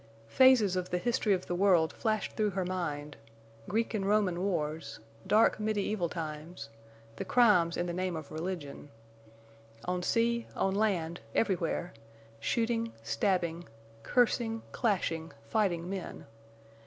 Phases of the history of the world flashed through her mind—Greek and Roman wars, dark, mediæval times, the crimes in the name of religion. On sea, on land, everywhere—shooting, stabbing, cursing, clashing, fighting men!